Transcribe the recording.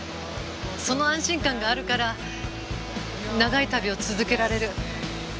その安心感があるから長い旅を続けられる。